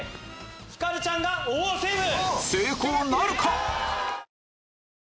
ひかるちゃんがセーフ！